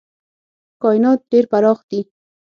کاینات ډېر پراخ دي.